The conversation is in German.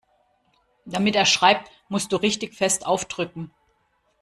Damit er schreibt, musst du richtig fest aufdrücken.